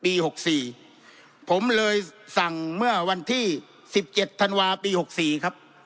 ปีหกสี่ผมเลยสั่งเมื่อวันที่สิบเจ็ดธันวาธ์ปีหกสี่ครับ